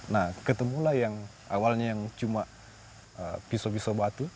nah ketemulah yang awalnya yang cuma pisau pisau batu